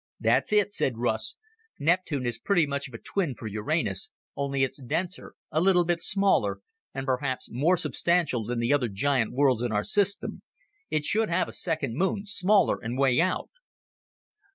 "That's it," said Russ. "Neptune is pretty much of a twin for Uranus, only it's denser, a little bit smaller, and perhaps more substantial than the other giant worlds in our system. It should have a second moon, smaller and way out."